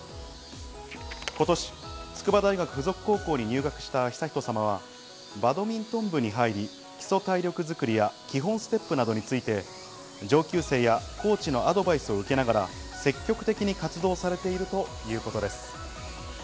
今年、筑波大学附属高校に入学した悠仁さまは、バドミントン部に入り、基礎体力づくりや基本ステップなどについて上級生やコーチのアドバイスを受けながら積極的に活動されているということです。